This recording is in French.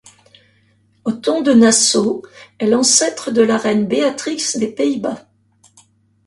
Othon de Nassau est l'ancêtre de la reine Béatrix des Pays-Bas.